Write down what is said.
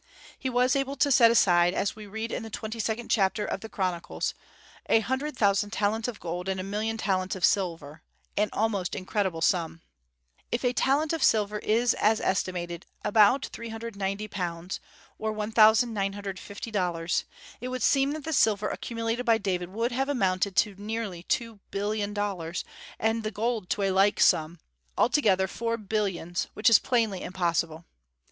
He was able to set aside, as we read in the twenty second chapter of the Chronicles, a hundred thousand talents of gold and a million talents of silver, an almost incredible sum. If a talent of silver is, as estimated, about £390, or $1950, it would seem that the silver accumulated by David would have amounted to nearly two billion dollars, and the gold to a like sum, altogether four billions, which is plainly impossible.